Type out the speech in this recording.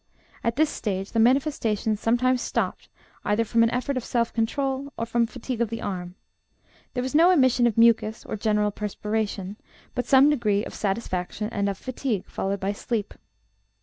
At this stage, the manifestations sometimes stopped, either from an effort of self control or from fatigue of the arm. There was no emission of mucus, or general perspiration, but some degree of satisfaction and of fatigue, followed by sleep.